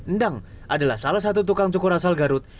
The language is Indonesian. endang adalah salah satu tukang cukur asal garut